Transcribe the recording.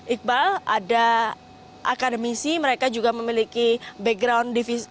iqbal ada akademisi mereka juga memiliki background divisi